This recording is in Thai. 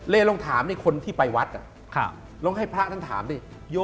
ลองถามคนที่ไปวัดลองให้พระท่านถามดิ